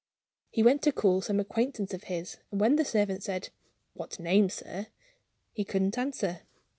He went to call upon some acquaintance of his; and when the servant said, 'What name, sir?' He couldn't answer.